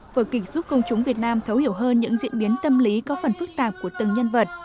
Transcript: vở kịch giúp công chúng việt nam thấu hiểu hơn những diễn biến tâm lý có phần phức tạp của từng nhân vật